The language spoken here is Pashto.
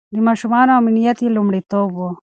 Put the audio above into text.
د ماشومانو امنيت يې لومړيتوب و.